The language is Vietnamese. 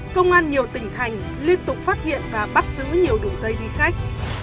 công an nhiều tỉnh thành liên tục phát hiện và bắt giữ nhiều đường dây đi khách